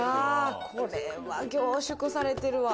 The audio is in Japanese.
これは凝縮されてるわ。